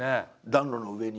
暖炉の上に。